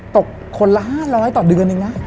ตกคนละ๕๐๐บาทต่อเดือนอีกแล้ว